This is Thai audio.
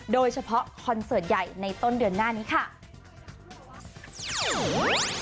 คอนเสิร์ตใหญ่ในต้นเดือนหน้านี้ค่ะ